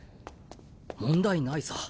問題ないさ。